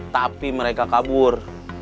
tapi mereka kabur